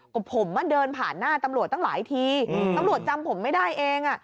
ก็ผมเดินผ่านหน้าตำรวจตั้งหลายทีตำรวจจำผมไม่ได้เอง